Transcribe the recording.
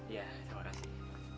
iya terima kasih